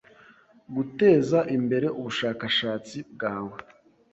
guteza imbere ubushakashatsi bwawe